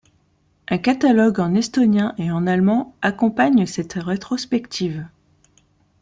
Un catalogue en estonien et en allemand accompagne cette rétrospective.